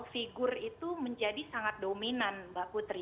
figur itu menjadi sangat dominan mbak putri